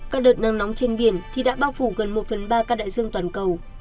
các đợt nắng nóng trên biển thì đã bao phủ gần một phần ba ca đại dương toàn cầu